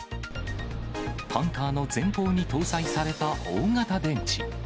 タンカーの前方に搭載された大型電池。